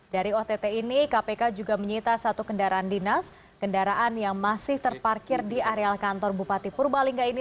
dari ott ini kpk juga menyita satu kendaraan dinas kendaraan yang masih terparkir di areal kantor bupati purbalingga ini